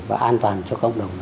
và an toàn cho cộng đồng